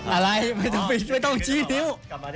อะไรไม่ต้องชี้นิ้ว